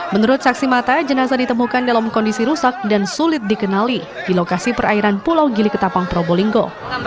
menurut saksi mata jenazah ditemukan dalam kondisi rusak dan sulit dikenali di lokasi perairan pulau gili ketapang probolinggo